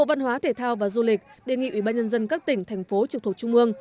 bộ văn hóa thể thao và du lịch đề nghị ủy ban nhân dân các tỉnh thành phố trực thuộc trung mương